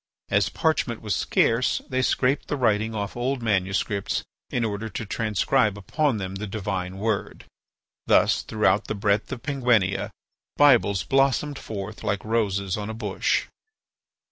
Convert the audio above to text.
As parchment was scarce, they scraped the writing off old manuscripts in order to transcribe upon them the divine word. Thus throughout the breadth of Penguinia Bibles blossomed forth like roses on a bush.